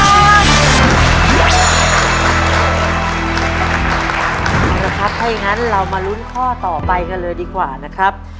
เอาละครับถ้าอย่างนั้นเรามาลุ้นข้อต่อไปกันเลยดีกว่านะครับ